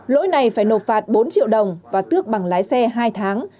lỗi này phải nộp phạt bốn triệu đồng và tước bằng lái xe hai tháng